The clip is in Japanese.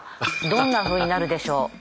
どんなふうになるでしょう？